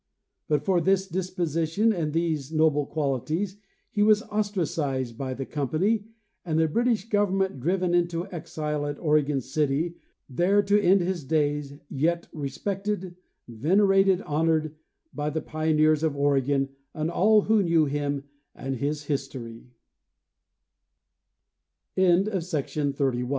But for this disposition and these noble qualities he was ostracised by the company and the British government, driven into exile at Oregon City, there to end his days, yet re spected, venerated, honored by the pioneers, of Oregon and all who knew him and his histor